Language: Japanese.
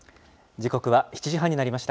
時刻は７時半になりました。